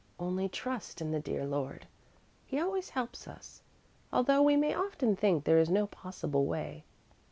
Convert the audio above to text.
Only trust in the dear Lord! He always helps us, although we may often think there is no possible way."